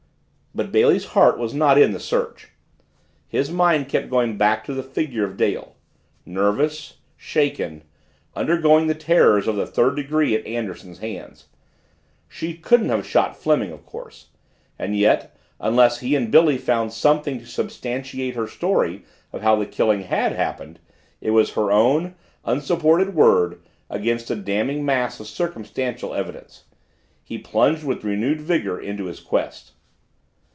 But Bailey's heart was not in the search. His mind kept going back to the figure of Dale nervous, shaken, undergoing the terrors of the third degree at Anderson's hands. She couldn't have shot Fleming of course, and yet, unless he and Billy found something to substantiate her story of how the killing had happened, it was her own, unsupported word against a damning mass of circumstantial evidence. He plunged with renewed vigor into his quest.